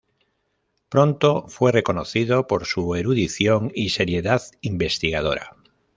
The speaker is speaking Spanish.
Pronto fue reconocido por su erudición y seriedad investigadora.